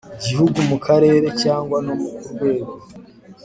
Gihugu mu karere cyangwa no ku rwego